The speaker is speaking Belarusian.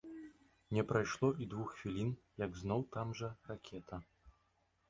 Не прайшло і двух хвілін, як зноў там жа ракета.